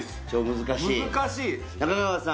難しい！